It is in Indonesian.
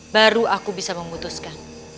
baru aku bisa memutuskan